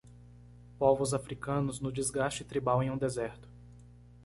Povos africanos no desgaste tribal em um deserto.